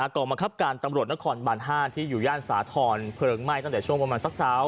กองบังคับการตำรวจนครบาน๕ที่อยู่ย่านสาธรณ์เพลิงไหม้ตั้งแต่ช่วงประมาณสักเช้า